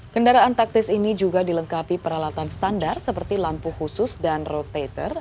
kendaraan taktis ini juga dilengkapi peralatan standar seperti lampu khusus dan roadtator